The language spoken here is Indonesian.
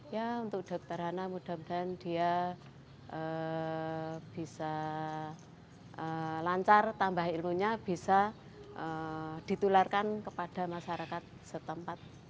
ya untuk dokter hana mudah mudahan dia bisa lancar tambah ilmunya bisa ditularkan kepada masyarakat setempat